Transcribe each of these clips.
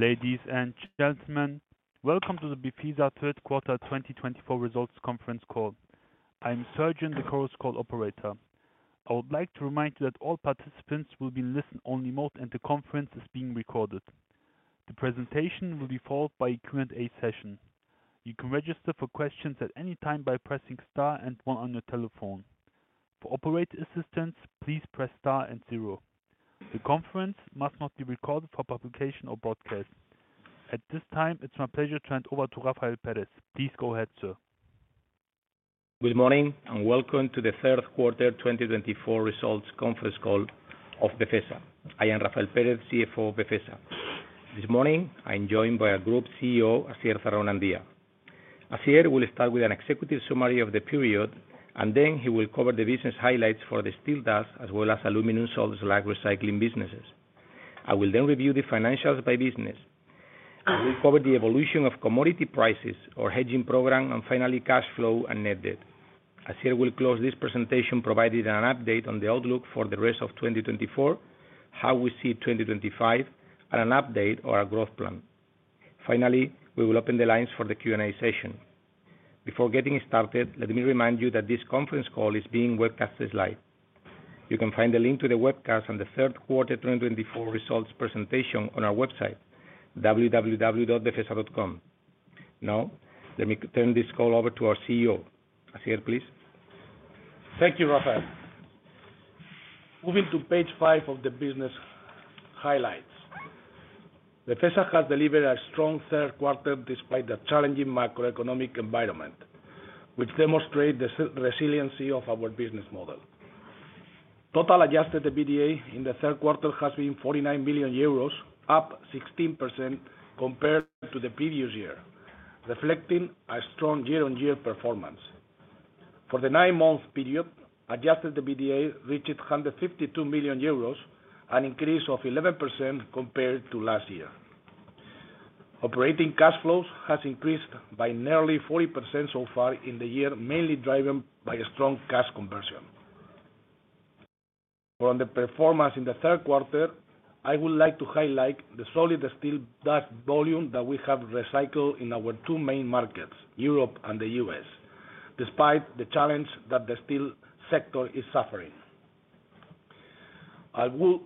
Ladies and gentlemen, welcome to the Befesa Third Quarter 2024 Results Conference call. I am Sergeant, the cross-call operator. I would like to remind you that all participants will be in listen-only mode and the conference is being recorded. The presentation will be followed by a Q&A session. You can register for questions at any time by pressing star and one on your telephone. For operator assistance, please press star and zero. The conference must not be recorded for publication or broadcast. At this time, it's my pleasure to hand over to Rafael Pérez. Please go ahead, sir. Good morning and welcome to the Third Quarter 2024 Results Conference call of Befesa. I am Rafael Pérez, CFO of Befesa. This morning, I am joined by our Group CEO, Asier Zarraonandia. Asier will start with an executive summary of the period, and then he will cover the business highlights for the steel dust, as well as aluminum salt slag recycling businesses. I will then review the financials by business. I will cover the evolution of commodity prices, our hedging program, and finally, cash flow and net debt. Asier will close this presentation providing an update on the outlook for the rest of 2024, how we see 2025, and an update or a growth plan. Finally, we will open the lines for the Q&A session. Before getting started, let me remind you that this conference call is being webcast live. You can find the link to the webcast and the Third Quarter 2024 Results presentation on our website, www.befesa.com. Now, let me turn this call over to our CEO. Asier, please. Thank you, Rafael. Moving to page five of the business highlights. Befesa has delivered a strong third quarter despite the challenging macroeconomic environment, which demonstrates the resiliency of our business model. Total adjusted EBITDA in the third quarter has been 49 million euros, up 16% compared to the previous year, reflecting a strong year-on-year performance. For the nine-month period, adjusted EBITDA reached 152 million euros, an increase of 11% compared to last year. Operating cash flows have increased by nearly 40% so far in the year, mainly driven by a strong cash conversion. For the performance in the third quarter, I would like to highlight the solid steel dust volume that we have recycled in our two main markets, Europe and the U.S., despite the challenge that the steel sector is suffering. I would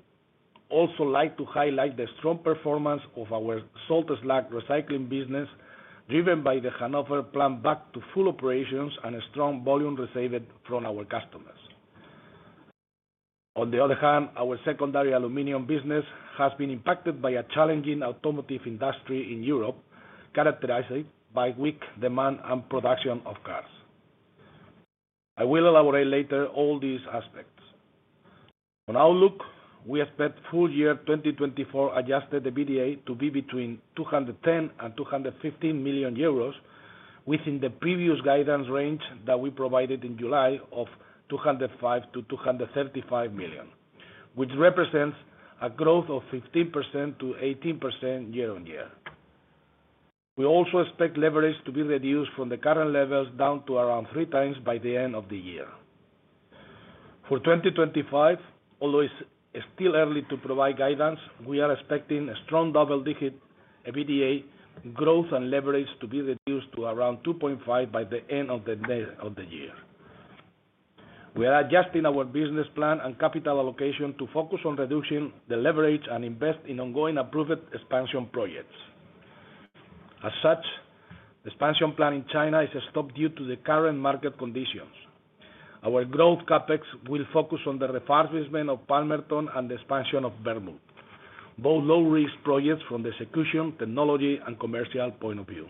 also like to highlight the strong performance of our salt slag recycling business, driven by the Hanover plant back to full operations and strong volume received from our customers. On the other hand, our secondary aluminum business has been impacted by a challenging automotive industry in Europe, characterized by weak demand and production of cars. I will elaborate later on all these aspects. On outlook, we expect full year 2024 Adjusted EBITDA to be between 210 and 215 million euros, within the previous guidance range that we provided in July of 205 to 235 million, which represents a growth of 15% to 18% year-on-year. We also expect leverage to be reduced from the current levels down to around three times by the end of the year. For 2025, although it's still early to provide guidance, we are expecting a strong double-digit EBITDA growth and leverage to be reduced to around 2.5 by the end of the year. We are adjusting our business plan and capital allocation to focus on reducing the leverage and invest in ongoing approved expansion projects. As such, the expansion plan in China is stopped due to the current market conditions. Our growth Capex will focus on the refurbishment of Palmerton and the expansion of Bernburg, both low-risk projects from the execution, technology, and commercial point of view.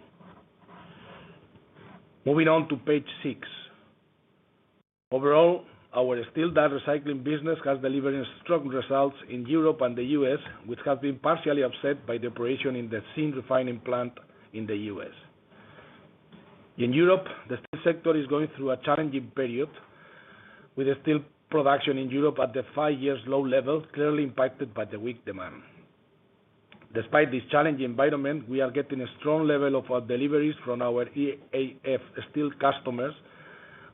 Moving on to page six. Overall, our steel dust recycling business has delivered strong results in Europe and the U.S., which has been partially offset by the operation in the steel refining plant in the U.S. In Europe, the steel sector is going through a challenging period, with steel production in Europe at the five-year low level, clearly impacted by the weak demand. Despite this challenging environment, we are getting a strong level of deliveries from our EAF steel customers,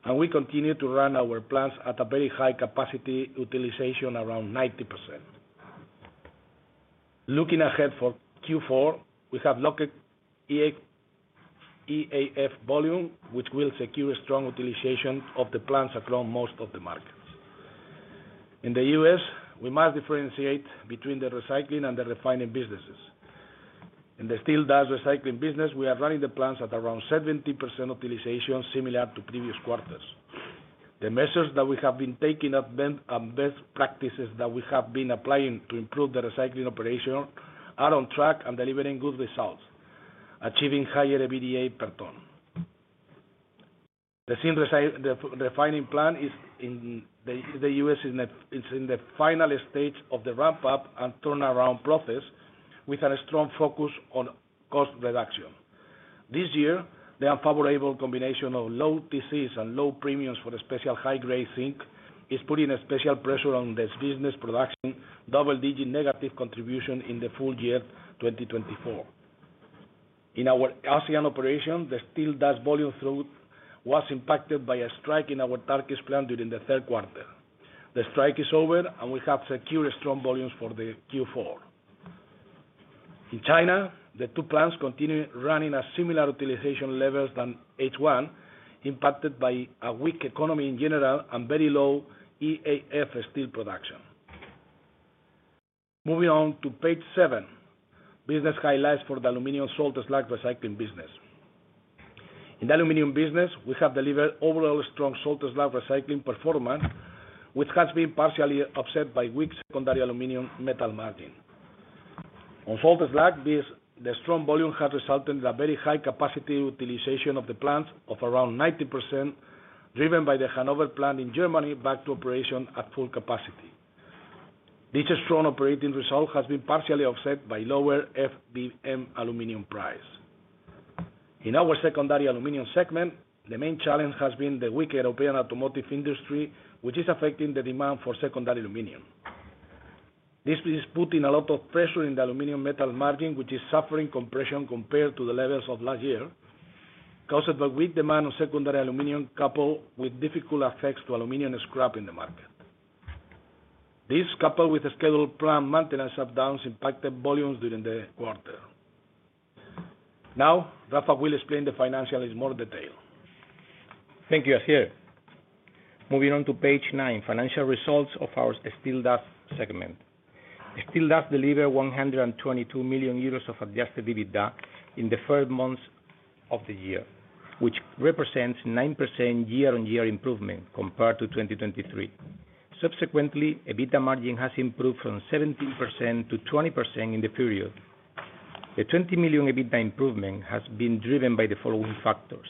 and we continue to run our plants at a very high capacity utilization, around 90%. Looking ahead for Q4, we have locked EAF volume, which will secure strong utilization of the plants across most of the markets. In the U.S., we must differentiate between the recycling and the refining businesses. In the steel dust recycling business, we are running the plants at around 70% utilization, similar to previous quarters. The measures that we have been taking and best practices that we have been applying to improve the recycling operation are on track and delivering good results, achieving higher EBITDA per ton. The steel refining plant in the U.S. is in the final stage of the ramp-up and turnaround process, with a strong focus on cost reduction. This year, the unfavorable combination of low TCs and low premiums for special high-grade zinc is putting a special pressure on the business production, double-digit negative contribution in the full year 2024. In our ASEAN operation, the steel dust volume through was impacted by a strike in our Turkish plant during the third quarter. The strike is over, and we have secured strong volumes for Q4. In China, the two plants continue running at similar utilization levels than H1, impacted by a weak economy in general and very low EAF steel production. Moving on to page seven, business highlights for the aluminum salt slag recycling business. In the aluminum business, we have delivered overall strong salt slag recycling performance, which has been partially offset by weak secondary aluminum metal margin. On salt slag, the strong volume has resulted in a very high capacity utilization of the plants, of around 90%, driven by the Hanover plant in Germany back to operation at full capacity. This strong operating result has been partially offset by lower FMV aluminum price. In our secondary aluminum segment, the main challenge has been the weak European automotive industry, which is affecting the demand for secondary aluminum. This is putting a lot of pressure in the aluminum metal margin, which is suffering compression compared to the levels of last year, caused by weak demand on secondary aluminum, coupled with difficult effects to aluminum scrap in the market. This, coupled with scheduled plant maintenance shutdowns, impacted volumes during the quarter. Now, Rafael will explain the financials in more detail. Thank you, Asier. Moving on to page nine, financial results of our steel dust segment. Steel dust delivered 122 million euros of adjusted EBITDA in the third month of the year, which represents a 9% year-on-year improvement compared to 2023. Subsequently, EBITDA margin has improved from 17% to 20% in the period. The 20 million EBITDA improvement has been driven by the following factors.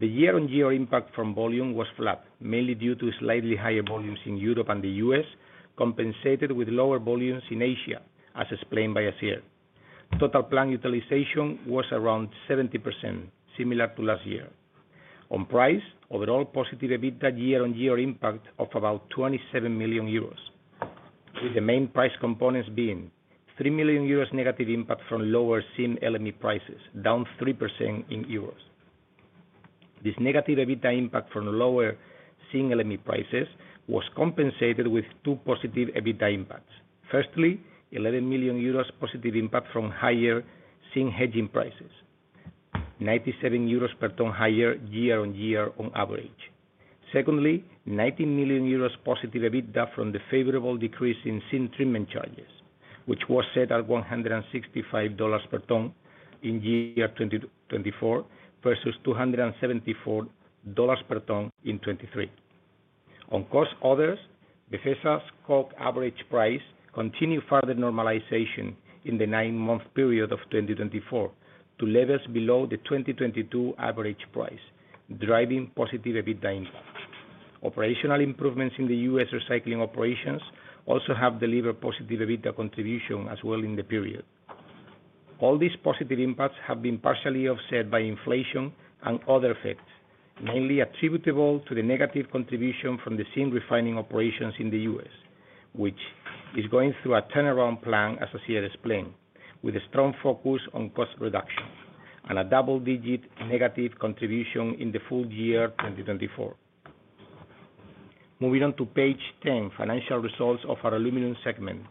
The year-on-year impact from volume was flat, mainly due to slightly higher volumes in Europe and the US, compensated with lower volumes in Asia, as explained by Asier. Total plant utilization was around 70%, similar to last year. On price, overall positive EBITDA year-on-year impact of about 27 million euros, with the main price components being 3 million euros negative impact from lower zinc LME prices, down 3% in euros. This negative EBITDA impact from lower zinc LME prices was compensated with two positive EBITDA impacts. Firstly, 11 million euros positive impact from higher zinc hedging prices, 97 euros per ton higher year-on-year on average. Secondly, 19 million euros positive EBITDA from the favorable decrease in zinc treatment charges, which was set at $165 per ton in year 2024 versus $274 per ton in 2023. On cost others, Befesa's COG average price continued further normalization in the nine-month period of 2024 to levels below the 2022 average price, driving positive EBITDA impact. Operational improvements in the U.S. recycling operations also have delivered positive EBITDA contribution as well in the period. All these positive impacts have been partially offset by inflation and other effects, mainly attributable to the negative contribution from the zinc refining operations in the U.S., which is going through a turnaround plan, as Asier explained, with a strong focus on cost reduction and a double-digit negative contribution in the full year 2024. Moving on to page ten, financial results of our aluminum segment.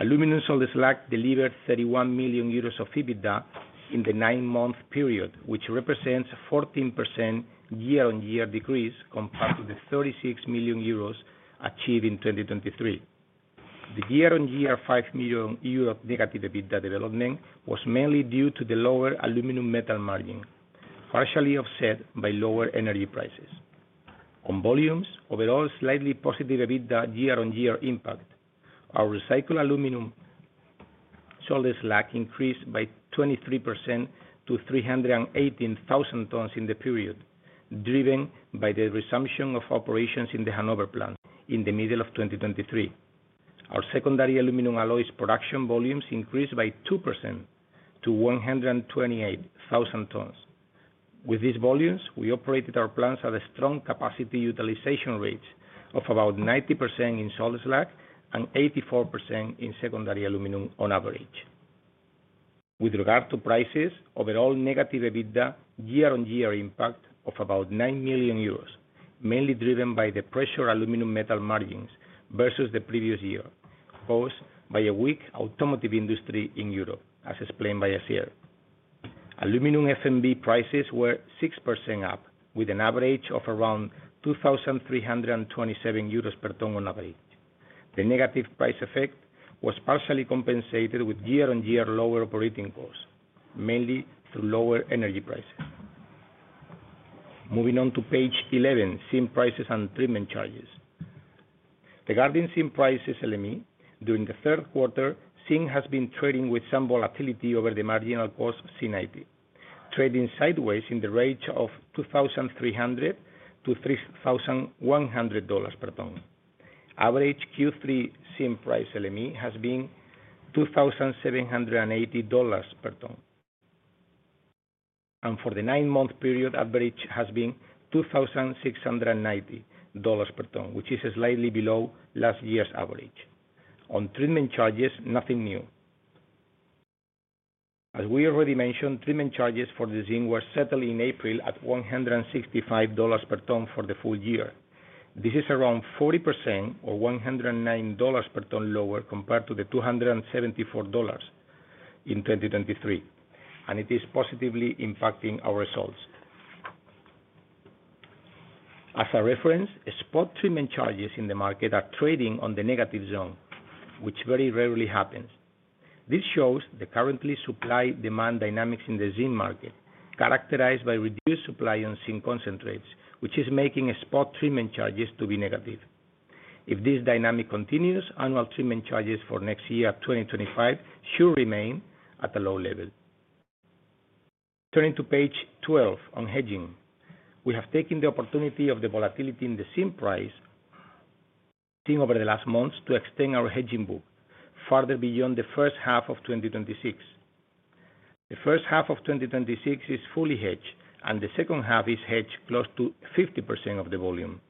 Aluminum salt slag delivered 31 million euros of EBITDA in the nine-month period, which represents a 14% year-on-year decrease compared to the 36 million euros achieved in 2023. The year-on-year 5 million euro negative EBITDA development was mainly due to the lower aluminum metal margin, partially offset by lower energy prices. On volumes, overall slightly positive EBITDA year-on-year impact. Our recycled aluminum salt slag increased by 23% to 318,000 tons in the period, driven by the resumption of operations in the Hanover plant in the middle of 2023. Our secondary aluminum alloys production volumes increased by 2% to 128,000 tons. With these volumes, we operated our plants at a strong capacity utilization rate of about 90% in salt slag and 84% in secondary aluminum on average. With regard to prices, overall negative EBITDA year-on-year impact of about 9 million euros, mainly driven by the pressure aluminum metal margins versus the previous year, caused by a weak automotive industry in Europe, as explained by Asier. Aluminum FMV prices were 6% up, with an average of around 2,327 euros per ton on average. The negative price effect was partially compensated with year-on-year lower operating costs, mainly through lower energy prices. Moving on to page 11, zinc prices and treatment charges. Regarding zinc prices LME, during the third quarter, zinc has been trading with some volatility over the marginal cost zinc IP, trading sideways in the range of $2,300-$3,100 per ton. Average Q3 zinc price LME has been $2,780 per ton. For the nine-month period, average has been $2,690 per ton, which is slightly below last year's average. On treatment charges, nothing new. As we already mentioned, treatment charges for the zinc were settled in April at $165 per ton for the full year. This is around 40% or $109 per ton lower compared to the $274 in 2023, and it is positively impacting our results. As a reference, spot treatment charges in the market are trading in the negative zone, which very rarely happens. This shows the current supply-demand dynamics in the zinc market, characterized by reduced supply on zinc concentrates, which is making spot treatment charges to be negative. If this dynamic continues, annual treatment charges for next year 2025 should remain at a low level. Turning to page 12 on hedging, we have taken the opportunity of the volatility in the zinc price over the last months to extend our hedging book further beyond the first half of 2026. The first half of 2026 is fully hedged, and the second half is hedged close to 50% of the volume.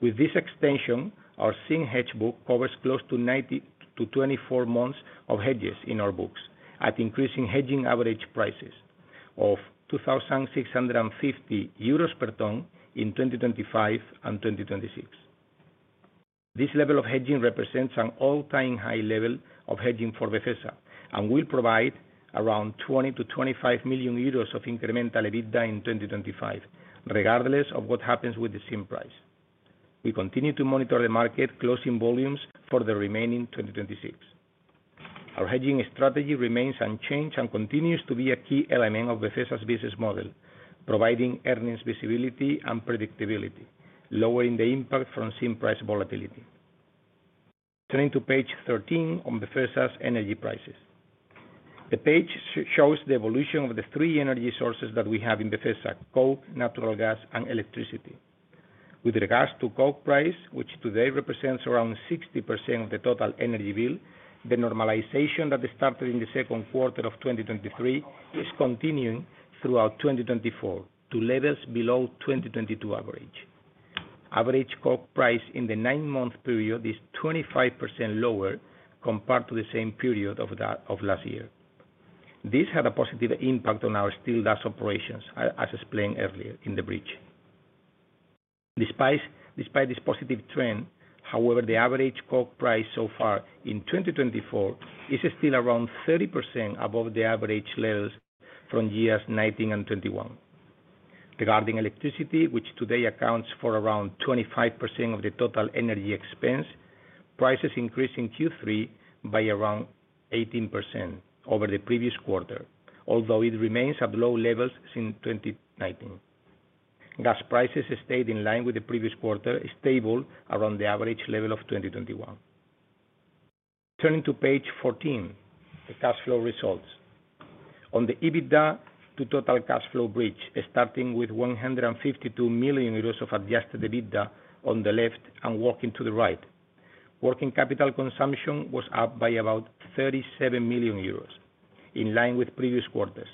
With this extension, our zinc hedge book covers close to 90% of 24 months of hedges in our books, at increasing hedging average prices of 2,650 euros per ton in 2025 and 2026. This level of hedging represents an all-time high level of hedging for Befesa and will provide around 20-25 million euros of incremental EBITDA in 2025, regardless of what happens with the zinc price. We continue to monitor the market closing volumes for the remaining 2026. Our hedging strategy remains unchanged and continues to be a key element of Befesa's business model, providing earnings visibility and predictability, lowering the impact from zinc price volatility. Turning to page 13 on Befesa's energy prices. The page shows the evolution of the three energy sources that we have in Befesa: COG, natural gas, and electricity. With regards to COG price, which today represents around 60% of the total energy bill, the normalization that started in the second quarter of 2023 is continuing throughout 2024 to levels below 2022 average. Average COG price in the nine-month period is 25% lower compared to the same period of last year. This had a positive impact on our steel dust operations, as explained earlier in the bridge. Despite this positive trend, however, the average COG price so far in 2024 is still around 30% above the average levels from years 2019 and 2021. Regarding electricity, which today accounts for around 25% of the total energy expense, prices increased in Q3 by around 18% over the previous quarter, although it remains at low levels since 2019. Gas prices stayed in line with the previous quarter, stable around the average level of 2021. Turning to page 14, the cash flow results. On the EBITDA to total cash flow bridge, starting with 152 million euros of Adjusted EBITDA on the left and working to the right, working capital consumption was up by about 37 million euros, in line with previous quarters,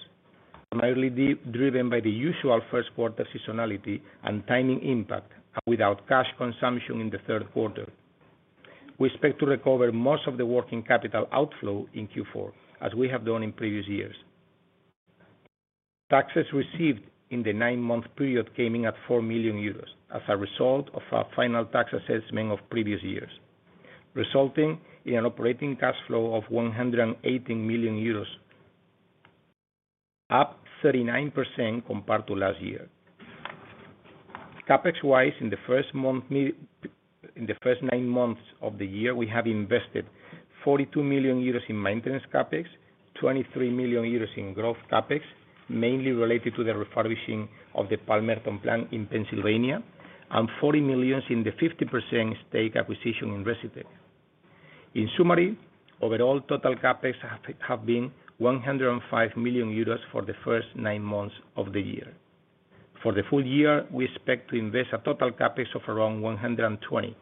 primarily driven by the usual first quarter seasonality and timing impact, and without cash consumption in the third quarter. We expect to recover most of the working capital outflow in Q4, as we have done in previous years. Taxes received in the nine-month period came in at 4 million euros as a result of our final tax assessment of previous years, resulting in an operating cash flow of 118 million euros, up 39% compared to last year. Capex-wise, in the first nine months of the year, we have invested 42 million euros in maintenance capex, 23 million euros in growth capex, mainly related to the refurbishing of the Palmerton plant in Pennsylvania, and 40 million in the 50% stake acquisition in Recytech. In summary, overall total capex have been 105 million euros for the first nine months of the year. For the full year, we expect to invest a total capex of around 120,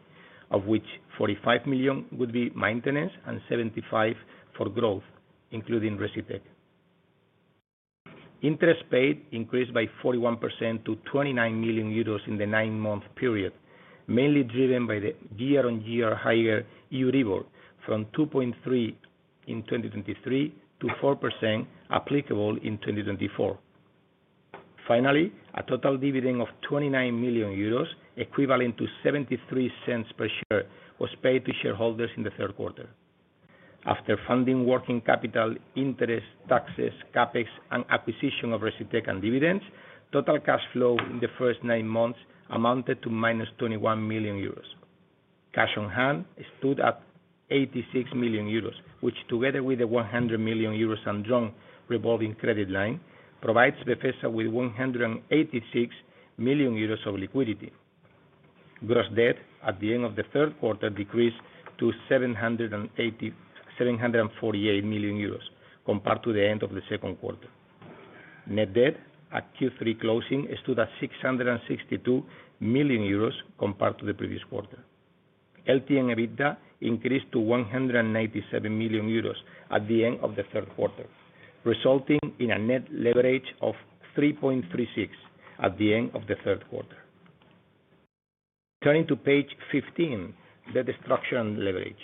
of which 45 million would be maintenance and 75 for growth, including Recytech. Interest paid increased by 41% to 29 million euros in the nine-month period, mainly driven by the year-on-year higher EURIBOR from 2.3% in 2023 to 4% applicable in 2024. Finally, a total dividend of 29 million euros, equivalent to 73 cents per share, was paid to shareholders in the third quarter. After funding working capital, interest, taxes, Capex, and acquisition of Recytech and dividends, total cash flow in the first nine months amounted to 21 million euros. Cash on hand stood at 86 million euros, which, together with the 100 million euros and drawn revolving credit line, provides Befesa with 186 million euros of liquidity. Gross debt at the end of the third quarter decreased to 748 million euros compared to the end of the second quarter. Net debt at Q3 closing stood at 662 million euros compared to the previous quarter. LTM EBITDA increased to 197 million euros at the end of the third quarter, resulting in a net leverage of 3.36 at the end of the third quarter. Turning to page 15, the deleveraging.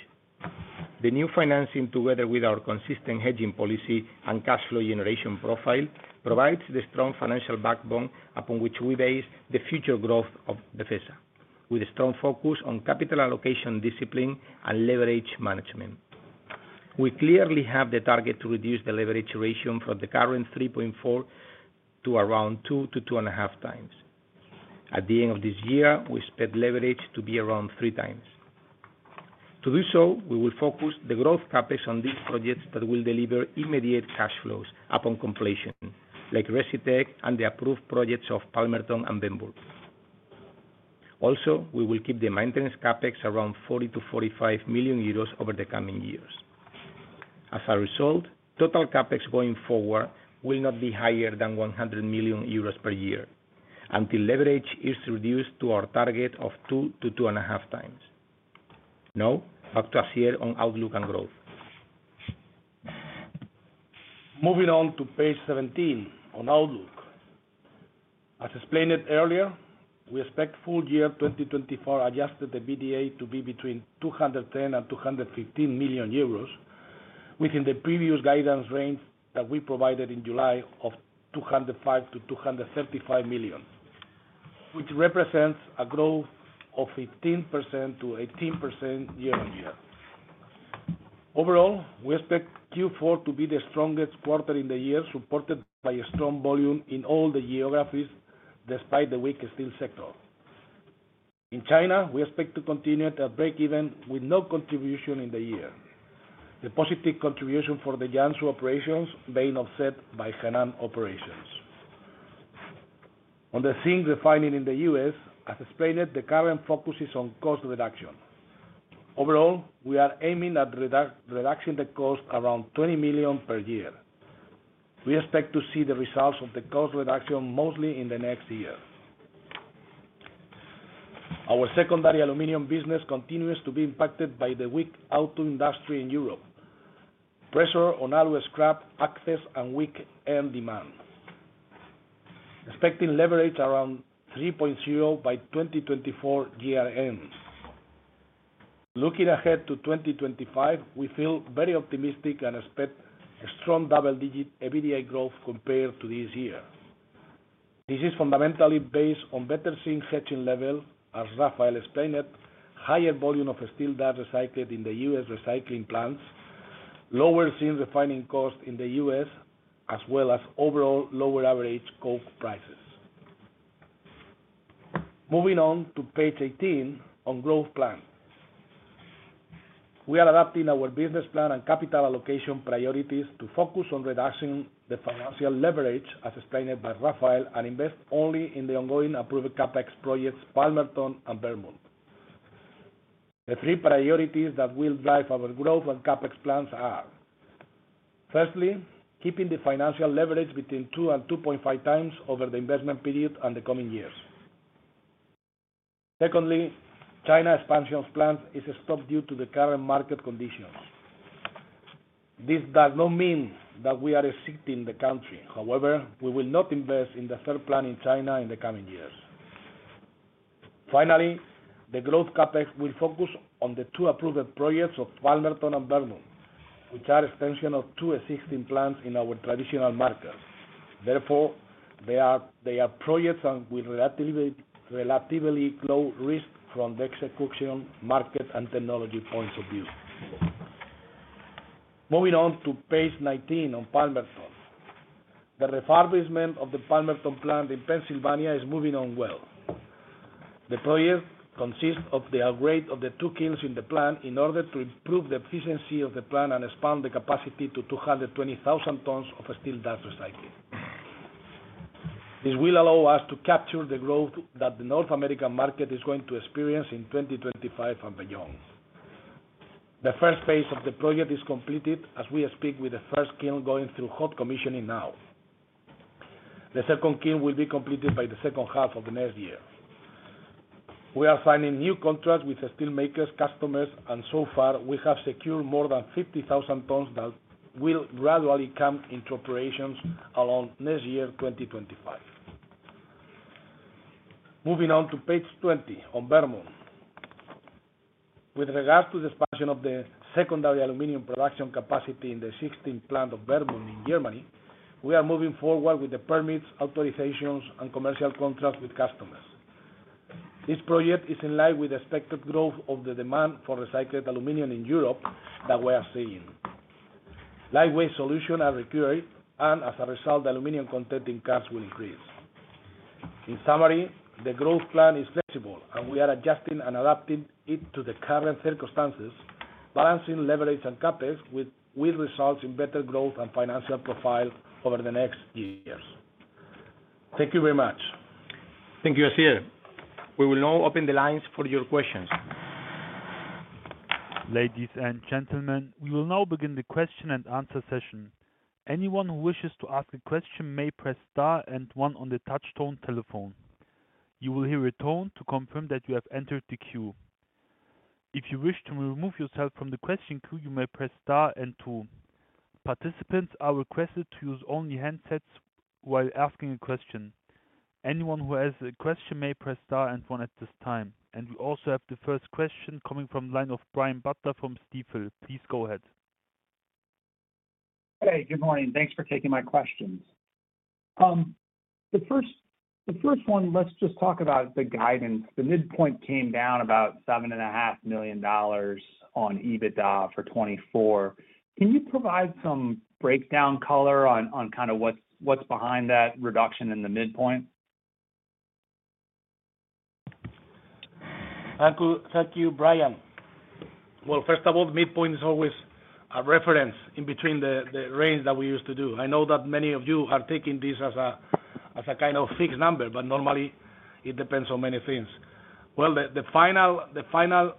The new financing, together with our consistent hedging policy and cash flow generation profile, provides the strong financial backbone upon which we base the future growth of Befesa, with a strong focus on capital allocation discipline and leverage management. We clearly have the target to reduce the leverage ratio from the current 3.4 to around 2 to 2.5 times. At the end of this year, we expect leverage to be around 3 times. To do so, we will focus the growth Capex on these projects that will deliver immediate cash flows upon completion, like Recytech and the approved projects of Palmerton and Bernburg. Also, we will keep the maintenance Capex around 40-45 million euros over the coming years. As a result, total Capex going forward will not be higher than 100 million euros per year until leverage is reduced to our target of 2 to 2.5 times. Now, back to Asier on outlook and growth. Moving on to page 17 on outlook. As explained earlier, we expect full year 2024 Adjusted EBITDA to be between 210 and 215 million euros within the previous guidance range that we provided in July of 205-235 million, which represents a growth of 15%-18% year-on-year. Overall, we expect Q4 to be the strongest quarter in the year, supported by a strong volume in all the geographies despite the weak steel sector. In China, we expect to continue at a break-even with no contribution in the year. The positive contribution for the Jiangsu operations being offset by Henan operations. On the same refining in the US, as explained, the current focus is on cost reduction. Overall, we are aiming at reducing the cost around 20 million per year. We expect to see the results of the cost reduction mostly in the next year. Our secondary aluminum business continues to be impacted by the weak auto industry in Europe, pressure on alloy scrap access, and weak end demand. Expecting leverage around 3.0 by 2024 GRM. Looking ahead to 2025, we feel very optimistic and expect strong double-digit EBITDA growth compared to this year. This is fundamentally based on better zinc hedging level, as Rafael explained, higher volume of steel dust recycled in the U.S. recycling plants, lower zinc refining cost in the U.S., as well as overall lower average COG prices. Moving on to page 18 on growth plan. We are adapting our business plan and capital allocation priorities to focus on reducing the financial leverage, as explained by Rafael, and invest only in the ongoing approved Capex projects Palmerton and Belmont. The three priorities that will drive our growth and Capex plans are: firstly, keeping the financial leverage between two and 2.5 times over the investment period and the coming years. Secondly, China expansion plan is stopped due to the current market conditions. This does not mean that we are exiting the country. However, we will not invest in the third plan in China in the coming years. Finally, the growth Capex will focus on the two approved projects of Palmerton and Belmont, which are extension of two existing plants in our traditional markets. Therefore, they are projects with relatively low risk from the execution market and technology points of view. Moving on to page 19 on Palmerton. The refurbishment of the Palmerton plant in Pennsylvania is moving on well. The project consists of the upgrade of the two kilns in the plant in order to improve the efficiency of the plant and expand the capacity to 220,000 tons of steel dust recycling. This will allow us to capture the growth that the North American market is going to experience in 2025 and beyond. The first phase of the project is completed as we speak with the first kiln going through hot commissioning now. The second kiln will be completed by the second half of the next year. We are signing new contracts with steel makers, customers, and so far, we have secured more than 50,000 tons that will gradually come into operations along next year, 2025. Moving on to page 20 on Palmerton. With regards to the expansion of the secondary aluminum production capacity in the 16th plant of Bernburg in Germany, we are moving forward with the permits, authorizations, and commercial contracts with customers. This project is in line with the expected growth of the demand for recycled aluminum in Europe that we are seeing. Lightweight solutions are recurring, and as a result, the aluminum content in cars will increase. In summary, the growth plan is flexible, and we are adjusting and adapting it to the current circumstances, balancing leverage and Capex, with results in better growth and financial profile over the next years. Thank you very much. Thank you, Asier. We will now open the lines for your questions. Ladies and gentlemen, we will now begin the question and answer session. Anyone who wishes to ask a question may press star and one on the touch-tone telephone. You will hear a tone to confirm that you have entered the queue. If you wish to remove yourself from the question queue, you may press star and two. Participants are requested to use only handsets while asking a question. Anyone who has a question may press star and one at this time. And we also have the first question coming from the line of Brian Butler from Stifel. Please go ahead. Hey, good morning. Thanks for taking my questions. The first one, let's just talk about the guidance. The midpoint came down about $7.5 million on EBITDA for 2024. Can you provide some breakdown color on kind of what's behind that reduction in the midpoint? Thank you, Brian. Well, first of all, the midpoint is always a reference in between the range that we used to do. I know that many of you are taking this as a kind of fixed number, but normally, it depends on many things. The final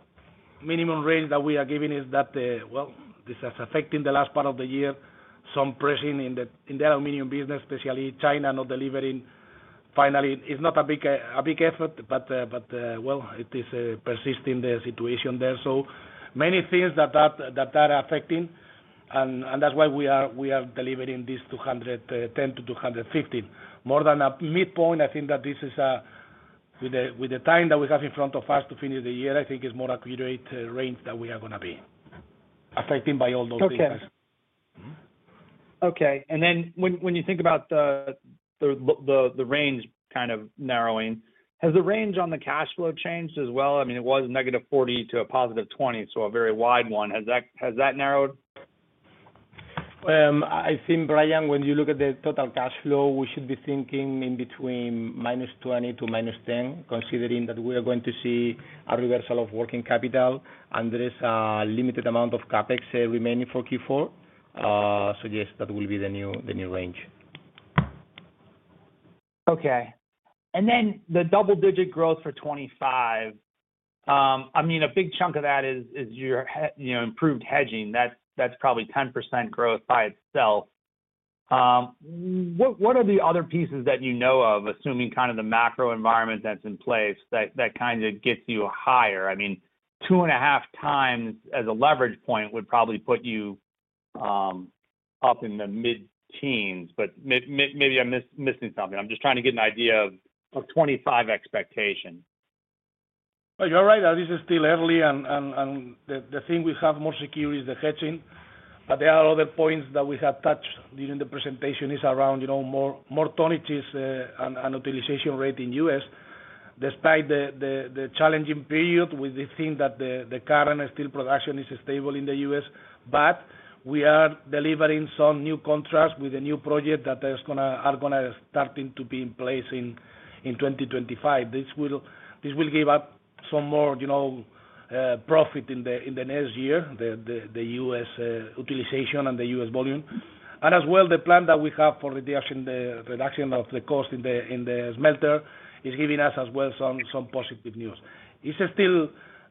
minimum range that we are giving is that this is affecting the last part of the year, some pressure in the aluminum business, especially China not delivering. Finally, it's not a big impact, but it is a persistent situation there. Many things that are affecting, and that's why we are delivering this 210-215. More than a midpoint, I think that this is, with the time that we have in front of us to finish the year, I think it's more accurate range that we are going to be affected by all those things. Okay. Okay. Then when you think about the range kind of narrowing, has the range on the cash flow changed as well? I mean, it was -40 to +20, so a very wide one. Has that narrowed? I think, Brian, when you look at the total cash flow, we should be thinking in between -20 to -10, considering that we are going to see a reversal of working capital, and there is a limited amount of Capex remaining for Q4. So yes, that will be the new range. Okay. And then the double-digit growth for 2025, I mean, a big chunk of that is your improved hedging. That's probably 10% growth by itself. What are the other pieces that you know of, assuming kind of the macro environment that's in place, that kind of gets you higher? I mean, two and a half times as a leverage point would probably put you up in the mid-teens, but maybe I'm missing something. I'm just trying to get an idea of 2025 expectation. You're right. This is still early, and the thing we have more secure is the hedging. But there are other points that we have touched during the presentation is around more tonnages and utilization rate in the U.S. Despite the challenging period, we think that the current steel production is stable in the U.S., but we are delivering some new contracts with a new project that are going to start to be in place in 2025. This will give us some more profit in the next year, the U.S. utilization and the U.S. volume. And as well, the plan that we have for the reduction of the cost in the smelter is giving us as well some positive news. It's still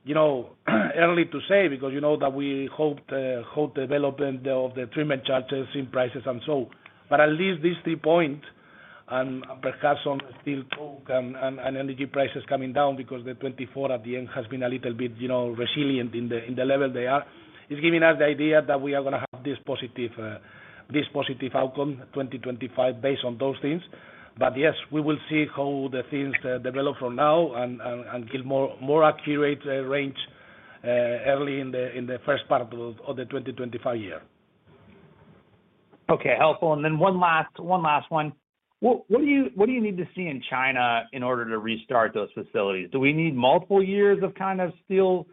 early to say because we hope the development of the treatment charges, zinc prices, and so. But at least these three points and perhaps some steel and energy prices coming down because the 2024 at the end has been a little bit resilient in the level they are, is giving us the idea that we are going to have this positive outcome 2025 based on those things. But yes, we will see how the things develop from now and get more accurate range early in the first part of the 2025 year. Okay. Helpful. And then one last one. What do you need to see in China in order to restart those facilities? Do we need multiple years of kind of steel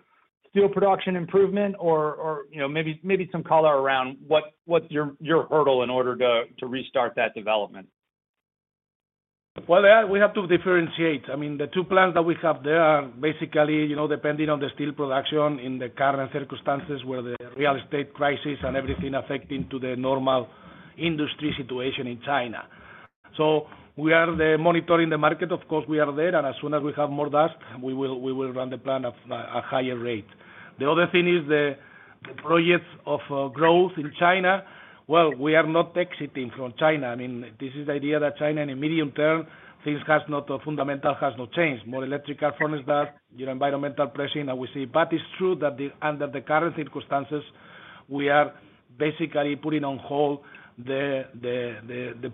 production improvement or maybe some color around what's your hurdle in order to restart that development? Well, we have to differentiate. I mean, the two plants that we have there are basically depending on the steel production in the current circumstances where the real estate crisis and everything affecting the normal industry situation in China. So we are monitoring the market. Of course, we are there, and as soon as we have more dust, we will run the plant at a higher rate. The other thing is the projects of growth in China. We are not exiting from China. I mean, this is the idea that China in the medium term, things have not fundamentally changed. More electric arc furnaces, environmental pressure that we see. But it's true that under the current circumstances, we are basically putting on hold the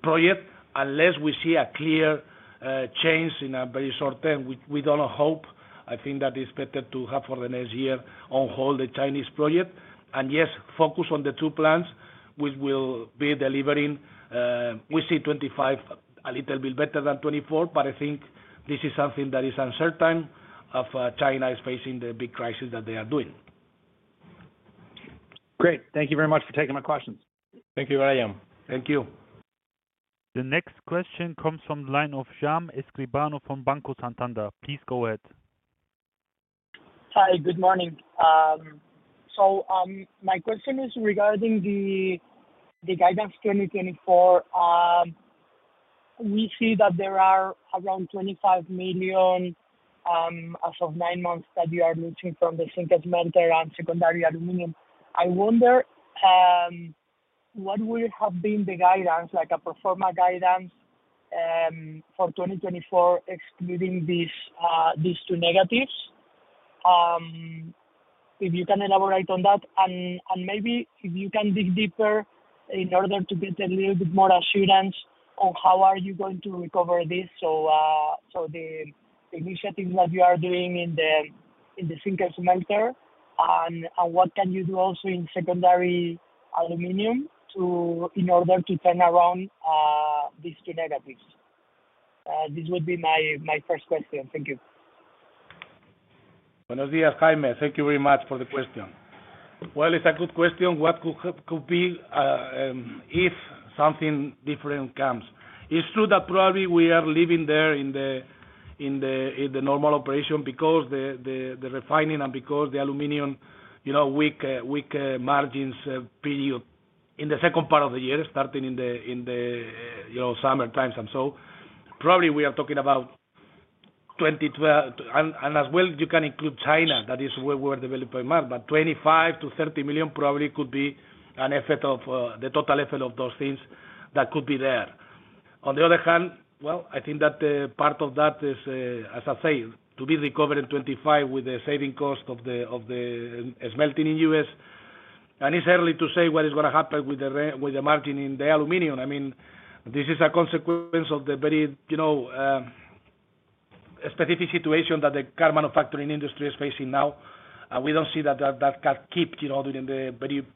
project unless we see a clear change in a very short term. We don't hope. I think that it's better to have for the next year on hold the Chinese project. And yes, focus on the two plants which will be delivering. We see 2025 a little bit better than 2024, but I think this is something that is uncertain if China is facing the big crisis that they are doing. Great. Thank you very much for taking my questions. Thank you, Brian. Thank you. The next question comes from the line of Jaime Escribano from Banco Santander. Please go ahead. Hi. Good morning. So my question is regarding the guidance 2024. We see that there are around 25 million as of nine months that you are losing from the zinc and smelter and secondary aluminum. I wonder what would have been the guidance, like a pro forma guidance for 2024, excluding these two negatives. If you can elaborate on that. Maybe if you can dig deeper in order to get a little bit more assurance on how are you going to recover this, so the initiatives that you are doing in the zinc and smelter, and what can you do also in secondary aluminum in order to turn around these two negatives. This would be my first question. Thank you. Buenos días, Jaime. Thank you very much for the question. Well, it's a good question. What could be if something different comes? It's true that probably we are living there in the normal operation because the refining and because the aluminum weak margins period in the second part of the year, starting in the summertimes and so. Probably we are talking about 2022. And as well, you can include China. That is where we are developing mark. But 25-30 million probably could be an effort of the total effort of those things that could be there. On the other hand, well, I think that part of that is, as I say, to be recovered in 2025 with the saving cost of the smelting in the U.S. And it's early to say what is going to happen with the margin in the aluminum. I mean, this is a consequence of the very specific situation that the car manufacturing industry is facing now. And we don't see that that can keep during the very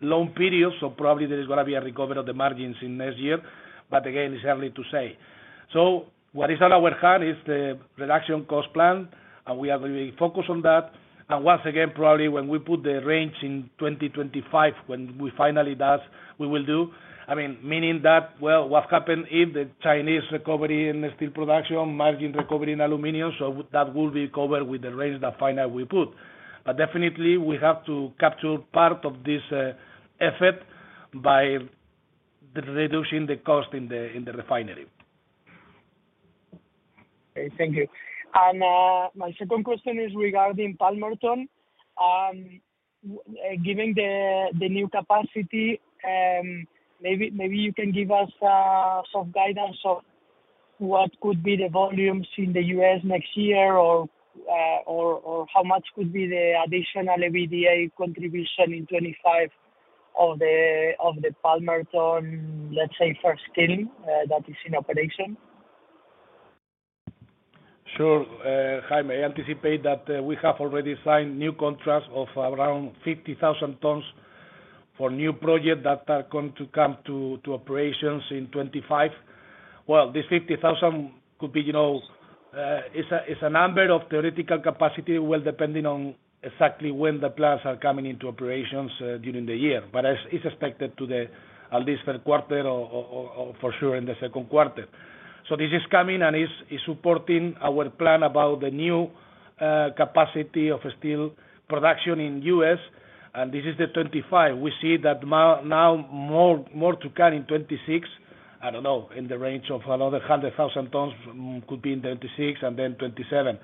long period. So probably there is going to be a recovery of the margins in next year. But again, it's early to say. So what is on our hand is the reduction cost plan, and we are going to be focused on that. And once again, probably when we put the range in 2025, when we finally does, we will do. I mean, meaning that, well, what happened if the Chinese recovery in steel production, margin recovery in aluminum, so that will be covered with the range that finally we put. But definitely, we have to capture part of this effort by reducing the cost in the refinery. Okay. Thank you. My second question is regarding Palmerton. Given the new capacity, maybe you can give us some guidance on what could be the volumes in the U.S. next year or how much could be the additional EBITDA contribution in 2025 of the Palmerton, let's say, first kiln that is in operation? Sure. Jaime, I anticipate that we have already signed new contracts of around 50,000 tons for new projects that are going to come to operations in 2025. Well, this 50,000 could be. It's a number, the theoretical capacity. Well, depending on exactly when the plants are coming into operations during the year, but it's expected to be at least in the third quarter or for sure in the second quarter. This is coming, and it's supporting our plan about the new capacity of steel production in the U.S., and this is for 2025. We see that now more to come in 2026. I don't know. In the range of another 100,000 tons could be in 2026 and then 2027.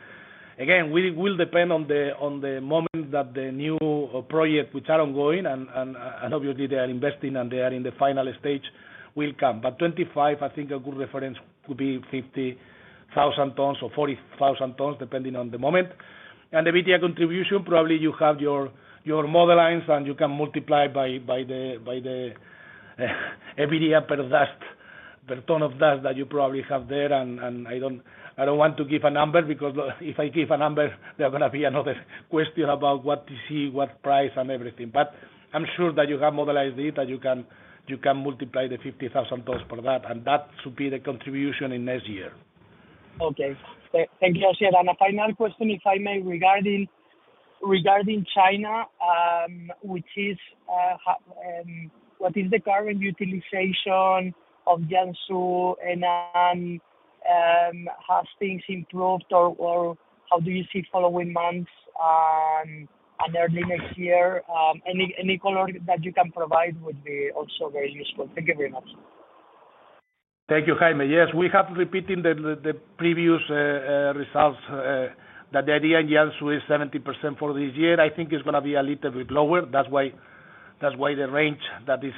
Again, it will depend on the moment that the new projects, which are ongoing, and obviously they are investing and they are in the final stage, will come, but 2025, I think a good reference could be 50,000 tons or 40,000 tons, depending on the moment. EBITDA contribution, probably you have your model lines, and you can multiply by the EBITDA per ton of dust that you probably have there. I don't want to give a number because if I give a number, there are going to be another question about what TCs, what price, and everything. But I'm sure that you have modeled it, that you can multiply the 50,000 tons for that. That should be the contribution in next year. Okay. Thank you, Asier. A final question, if I may, regarding China, which is what is the current utilization of Jiangsu? Has things improved, or how do you see following months and early next year? Any color that you can provide would be also very useful. Thank you very much. Thank you, Jaime. Yes, we have repeated the previous results that the idea in Jiangsu is 70% for this year. I think it's going to be a little bit lower. That's why the range that is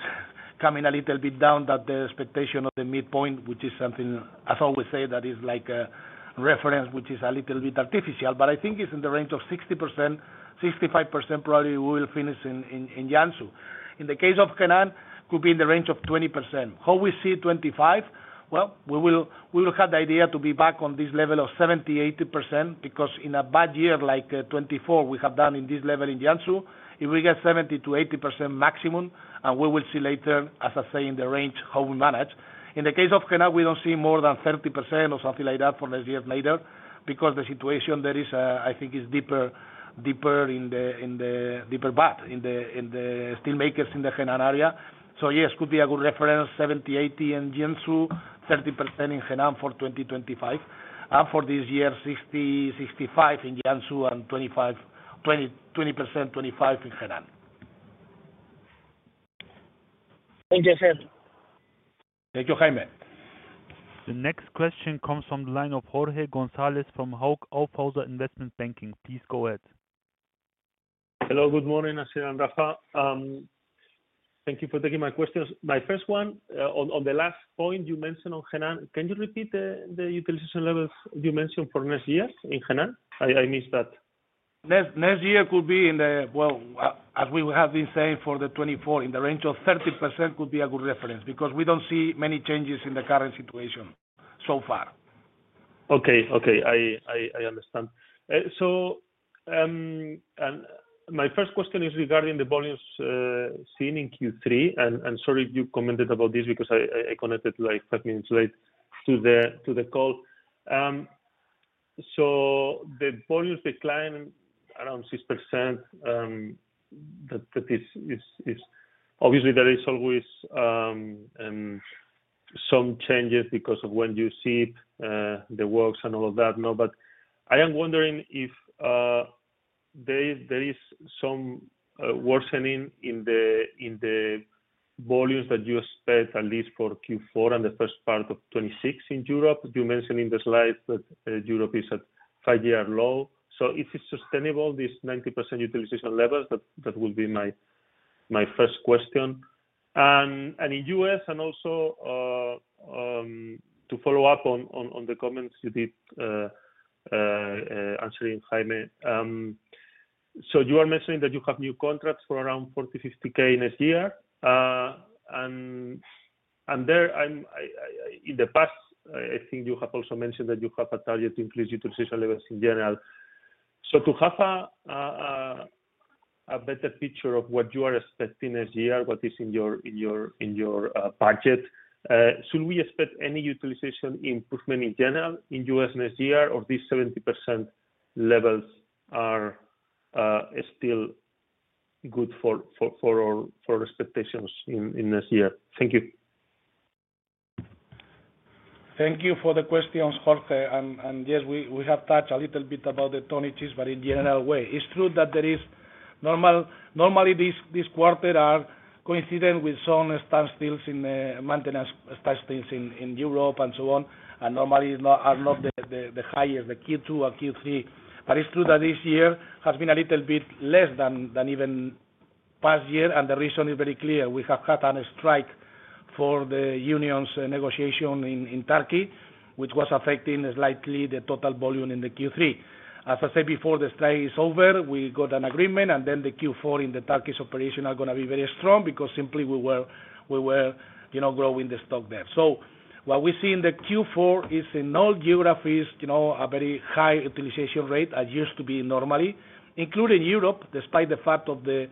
coming a little bit down, that the expectation of the midpoint, which is something I always say that is like a reference, which is a little bit artificial. But I think it's in the range of 60%-65% probably we will finish in Jiangsu. In the case of Henan, it could be in the range of 20%. How we see 2025? Well, we will have the idea to be back on this level of 70-80% because in a bad year like 2024, we have done in this level in Jiangsu, if we get 70-80% maximum, and we will see later, as I say, in the range how we manage. In the case of Henan, we don't see more than 30% or something like that for next year later because the situation there is, I think, deeper in the deeper part, in the steelmakers in the Henan area. So yes, it could be a good reference, 70%-80% in Jiangsu, 30% in Henan for 2025. And for this year, 60%-65% in Jiangsu and 20%-25% in Henan. Thank you, sir. Thank you, Jaime. The next question comes from the line of Jorge González from Hauck Aufhäuser Investment Banking. Please go ahead. Hello. Good morning, Asier and Rafa. Thank you for taking my questions. My first one, on the last point you mentioned on Henan, can you repeat the utilization levels you mentioned for next year in Henan? I missed that. Next year could be in the, well, as we have been saying for the 2024, in the range of 30% could be a good reference because we don't see many changes in the current situation so far. Okay. Okay. I understand. So my first question is regarding the volumes seen in Q3. And sorry if you commented about this because I connected like five minutes late to the call. So the volumes decline around 6%. Obviously, there is always some changes because of when you see the works and all of that. But I am wondering if there is some worsening in the volumes that you expect at least for Q4 and the first part of 2026 in Europe. You mentioned in the slides that Europe is at five-year low. So if it's sustainable, this 90% utilization level, that would be my first question. And in US, and also to follow up on the comments you did answering Jaime, so you are mentioning that you have new contracts for around 40, 50K next year. And there, in the past, I think you have also mentioned that you have a target to increase utilization levels in general. So to have a better picture of what you are expecting next year, what is in your budget, should we expect any utilization improvement in general in US next year or these 70% levels are still good for our expectations in next year? Thank you. Thank you for the questions, Jorge. And yes, we have touched a little bit about the tonnages, but in general way. It's true that there is normally this quarter are coincident with some maintenance standstills in Europe and so on, and normally are not the highest, the Q2 or Q3. But it's true that this year has been a little bit less than even past year. And the reason is very clear. We have had a strike for the union's negotiation in Turkey, which was affecting slightly the total volume in the Q3. As I said before, the strike is over. We got an agreement. And then the Q4 in the Turkish operation are going to be very strong because simply we were growing the stock there. So what we see in the Q4 is in all geographies, a very high utilization rate as used to be normally, including Europe, despite the fact of the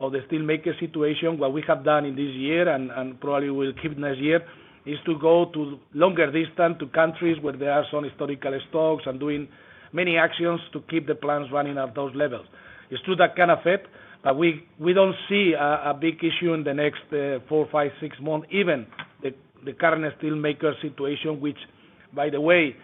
steelmaker situation. What we have done in this year and probably will keep next year is to go to longer distance to countries where there are some historical stocks and doing many actions to keep the plants running at those levels. It's true that can affect, but we don't see a big issue in the next four, five, six months, even the current steelmaker situation, which, by the way,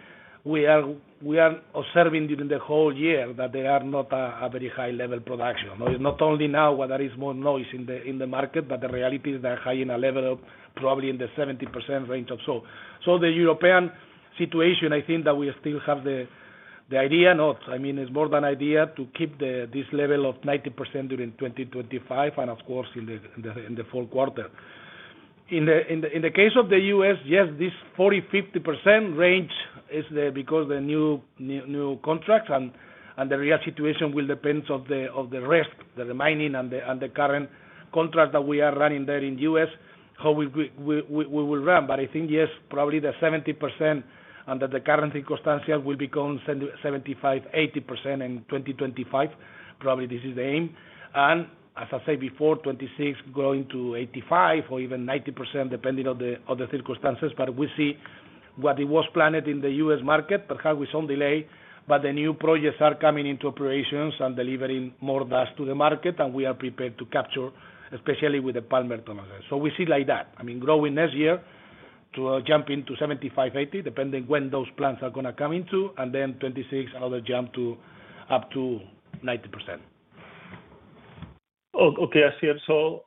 we are observing during the whole year that they are not a very high level production. It's not only now what there is more noise in the market, but the reality is they're high in a level of probably in the 70% range or so. So the European situation, I think that we still have the idea, not I mean, it's more than idea to keep this level of 90% during 2025 and, of course, in the full quarter. In the case of the U.S., yes, this 40%-50% range is because the new contracts and the real situation will depend on the risk, the margin, and the current contract that we are running there in the U.S., how we will run. But I think, yes, probably the 70% under the current circumstances will become 75%-80% in 2025. Probably this is the aim. And as I said before, 2026 going to 85% or even 90%, depending on the circumstances. But we see what it was planned in the U.S. market, perhaps with some delay, but the new projects are coming into operations and delivering more dust to the market, and we are prepared to capture, especially with the Palmerton. So we see like that. I mean, growing next year to jump into 75-80, depending when those plants are going to come into, and then 2026 another jump to up to 90%. Okay, Asier. So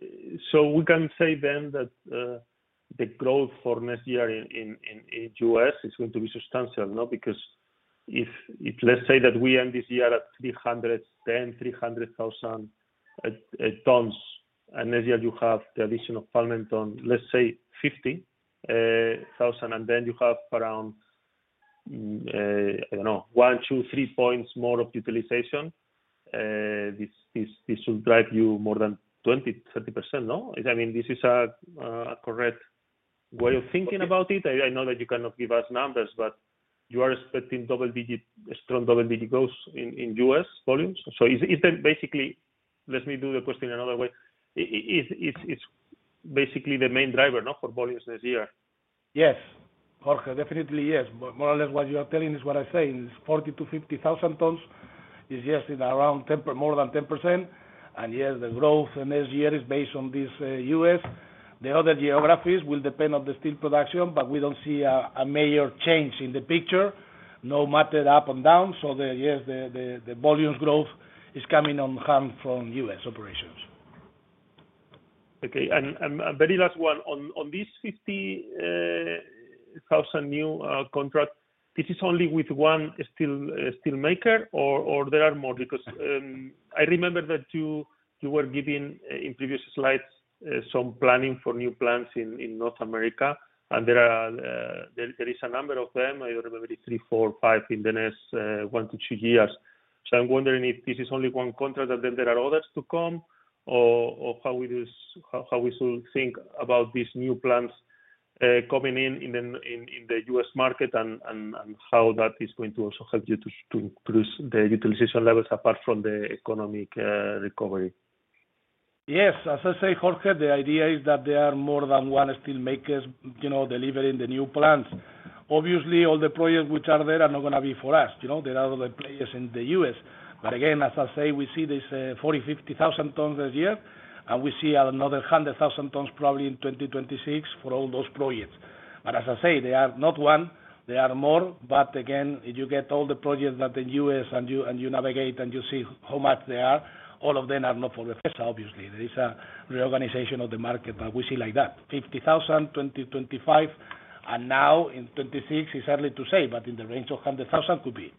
we can say then that the growth for next year in U.S. is going to be substantial, no? Because if let's say that we end this year at 300-310,000 tons, and next year you have the addition of Palmerton, let's say 50,000, and then you have around, I don't know, one, two, three points more of utilization, this will drive you more than 20-30%, no? I mean, this is a correct way of thinking about it. I know that you cannot give us numbers, but you are expecting double-digit, strong double-digit growth in U.S. volumes. So is there basically let me do the question another way. It's basically the main driver, no? For volumes next year. Yes. Jorge, definitely yes. More or less what you are telling is what I'm saying. It's 40-50 thousand tons. It's yes, in around more than 10%. And yes, the growth next year is based on the US. The other geographies will depend on the steel production, but we don't see a major change in the picture, no matter up and down. So yes, the volumes growth is coming on hand from US operations. Okay. And very last one. On these 50,000 new contracts, this is only with one steelmaker or there are more? Because I remember that you were giving in previous slides some planning for new plants in North America, and there is a number of them. I remember it's three, four, five in the next one to two years. So I'm wondering if this is only one contract, that then there are others to come, or how we should think about these new plants coming in the U.S. market and how that is going to also help you to increase the utilization levels apart from the economic recovery. Yes. As I say, Jorge, the idea is that there are more than one steelmaker delivering the new plants. Obviously, all the projects which are there are not going to be for us. There are other players in the U.S. But again, as I say, we see this 40-50 thousand tons this year, and we see another 100,000 tons probably in 2026 for all those projects. But as I say, there are not one. There are more. But again, if you get all the projects that are in the U.S. and you navigate and you see how much they are, all of them are not for the U.S., obviously. There is a reorganization of the market, but we see like that. 50,000, 2025, and now in 2026, it's early to say, but in the range of 100,000 could be.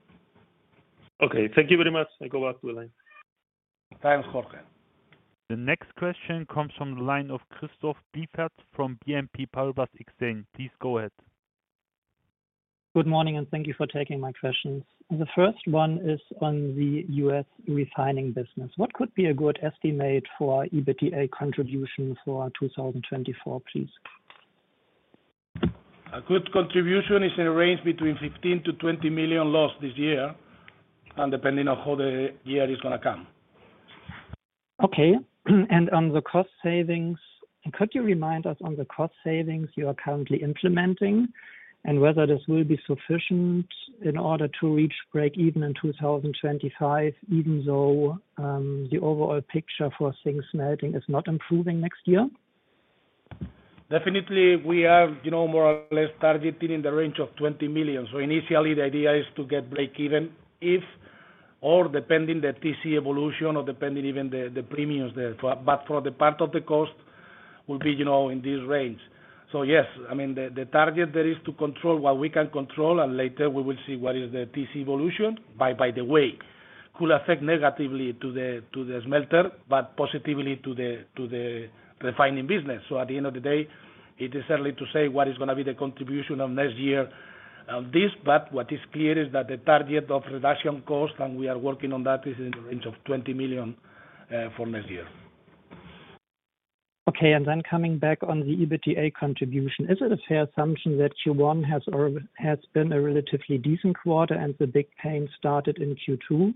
Okay. Thank you very much. I go back to the line. Thanks, Jorge. The next question comes from the line of Christoph Blieffert from BNP Paribas Exane. Please go ahead. Good morning, and thank you for taking my questions. The first one is on the U.S. refining business. What could be a good estimate for EBITDA contribution for 2024, please? A good contribution is in a range between 15-20 million this year, and depending on how the year is going to come. Okay. And on the cost savings, could you remind us on the cost savings you are currently implementing and whether this will be sufficient in order to reach break even in 2025, even though the overall picture for things melting is not improving next year? Definitely, we are more or less targeting in the range of 20 million. So initially, the idea is to get break even if, or depending the TC evolution or depending even the premiums there. But for the part of the cost, we'll be in this range. So yes, I mean, the target there is to control what we can control, and later we will see what is the TC evolution. By the way, could affect negatively to the smelter, but positively to the refining business. So at the end of the day, it is early to say what is going to be the contribution of next year on this. But what is clear is that the target of reduction cost, and we are working on that, is in the range of 20 million for next year. Okay. And then coming back on the EBITDA contribution, is it a fair assumption that Q1 has been a relatively decent quarter and the big pain started in Q2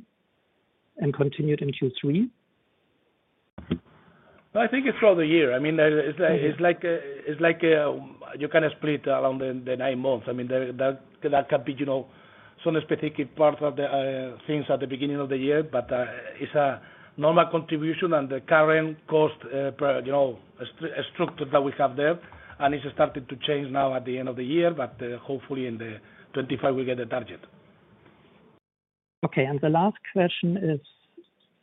and continued in Q3? I think it's throughout the year. I mean, it's like you kind of split around the nine months. I mean, that can be some specific part of the things at the beginning of the year, but it's a normal contribution and the current cost structure that we have there. And it's starting to change now at the end of the year, but hopefully in 2025, we get the target. Okay. And the last question is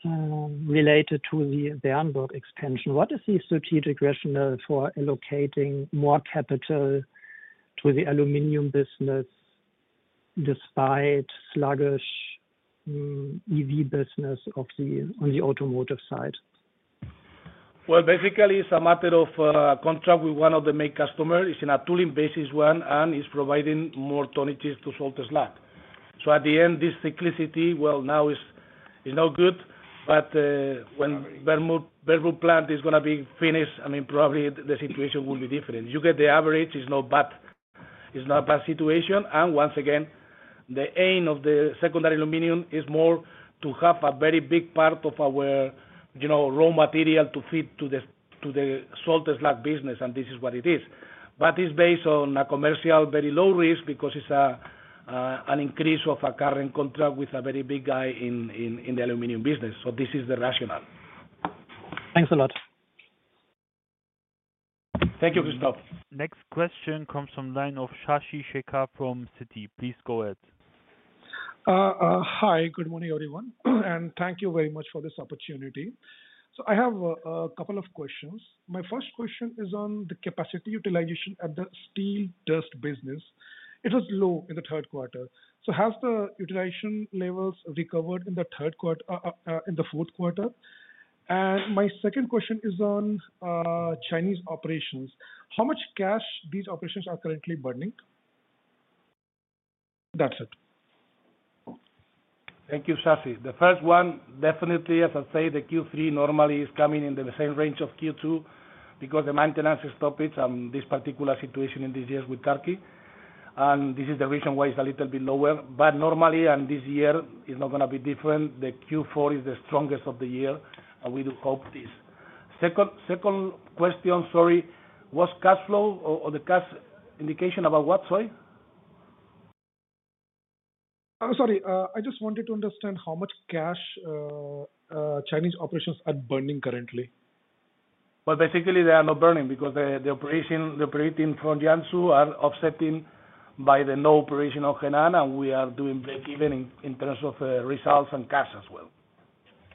related to the Bernburg Expansion. What is the strategic rationale for allocating more capital to the aluminum business despite sluggish EV business on the automotive side? Well, basically, it's a matter of contract with one of the main customers. It's in a tolling basis one, and it's providing more tonnages to salt slag. So at the end, this cyclicality, well, now is no good, but when Bernburg plant is going to be finished, I mean, probably the situation will be different. You get the average. It's not bad. It's not a bad situation. Once again, the aim of the secondary aluminum is more to have a very big part of our raw material to feed to the salt slag business, and this is what it is. But it's based on a commercial very low risk because it's an increase of a current contract with a very big guy in the aluminum business. This is the rationale. Thanks a lot. Thank you, Christoph. Next question comes from the line of Shashi Shekhar from Citi. Please go ahead. Hi. Good morning, everyone. And thank you very much for this opportunity. I have a couple of questions. My first question is on the capacity utilization at the steel dust business. It was low in the third quarter. Has the utilization levels recovered in the fourth quarter? And my second question is on Chinese operations. How much cash these operations are currently burning? That's it. Thank you, Shashi. The first one, definitely, as I say, the Q3 normally is coming in the same range of Q2 because the maintenance is stopped on this particular situation in this year with Turkey, and this is the reason why it's a little bit lower, but normally, and this year, it's not going to be different. The Q4 is the strongest of the year, and we do hope this. Second question, sorry, was cash flow or the cash indication about what, sorry? Sorry, I just wanted to understand how much cash Chinese operations are burning currently. Well, basically, they are not burning because the operations from Jiangsu are offsetting by the no operation of Henan, and we are doing break even in terms of results and cash as well.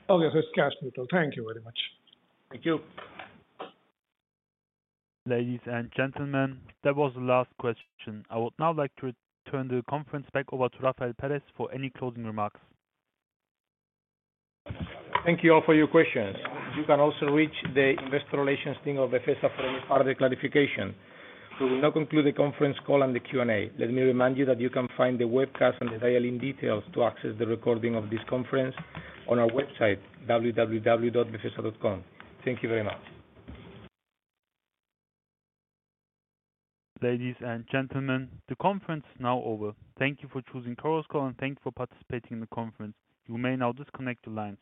Okay, so it's cash total. Thank you very much. Thank you. Ladies and gentlemen, that was the last question. I would now like to turn the conference back over to Rafael Pérez for any closing remarks. Thank you all for your questions. You can also reach the investor relations team of Befesa for any further clarification. We will now conclude the conference call and the Q&A. Let me remind you that you can find the webcast and the dial-in details to access the recording of this conference on our website, www.befesa.com. Thank you very much. Ladies and gentlemen, the conference is now over. Thank you for choosing Chorus Call and thank you for participating in the conference. You may now disconnect the lines.